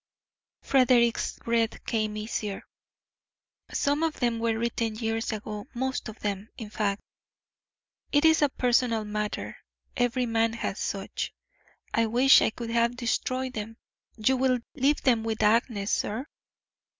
Frederick's breath came easier. "Some of them were written years ago most of them, in fact. It is a personal matter every man has such. I wish I could have destroyed them. You will leave them with Agnes, sir?"